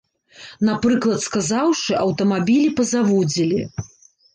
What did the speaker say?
Напрыклад сказаўшы, аўтамабілі пазаводзілі.